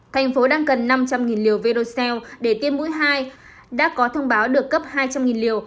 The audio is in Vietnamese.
thành phố đang cần năm trăm linh liều vercell để tiêm mũi hai đã có thông báo được cấp hai trăm linh liều